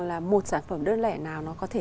là một sản phẩm đơn lẻ nào nó có thể